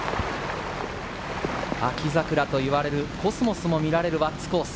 秋桜といわれるコスモスも見られる輪厚コース。